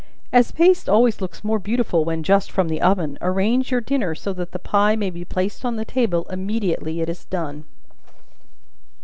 As paste always looks more beautiful when just from the oven, arrange your dinner so that the pie may be placed on the table immediately it is done.